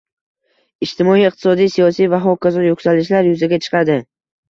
ijtimoiy, iqtisodiy, siyosiy va h.k. yuksalishlar yuzaga chiqadi.